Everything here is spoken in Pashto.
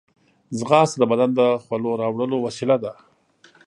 ځغاسته د بدن د خولو راوړلو وسیله ده